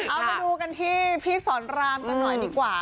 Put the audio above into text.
เอาไปดูกันที่พี่สอนรามกันหน่อยดีกว่า